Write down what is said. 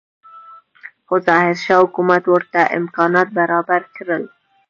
خو ظاهرشاه حکومت ورته امکانات برابر نه کړل.